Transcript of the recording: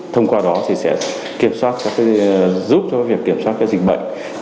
thông qua đó sẽ giúp cho việc kiểm soát dịch bệnh